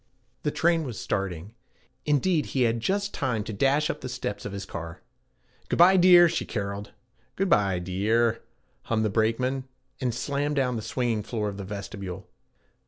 The train was starting; indeed he had just time to dash up the steps of his car. 'Good bye, dear,' she caroled. 'Good bye, dee ar,' hummed the brakeman, and slammed down the swinging floor of the vestibule.